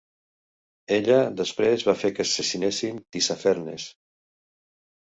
Ella després va fer que assassinessin Tissafernes.